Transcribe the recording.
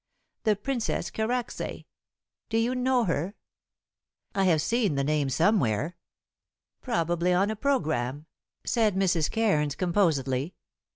The Princess Karacsay. Do you know her?" "I have seen the name somewhere." "Probably on a programme," said Mrs. Cairns composedly.